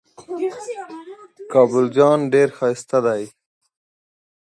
She proceeded to Kure for inspection and repairs.